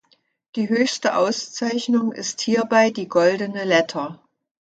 Die höchste Auszeichnung ist hierbei die Goldene Letter.